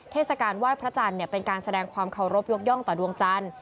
เทศกาลไหว้พระจันทร์เป็นการแสดงความเคารพยกย่องต่อดวงจันทร์